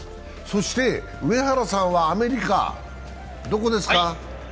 そして上原さんはアメリカ、どこですか？